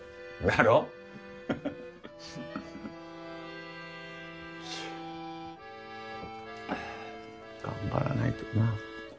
よし頑張らないとな。